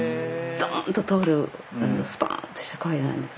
どんと通るあのスポーンとした声なんです。